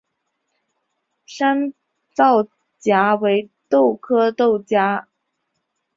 山皂荚为豆科皂荚属的植物。